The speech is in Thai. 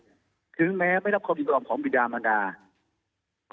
ผู้เราทำเนี่ยถึงแม้ไม่ตรับไม่ตรับความกรุ่นรอมของบิดามันดาก็สมบูรณ์นะครับ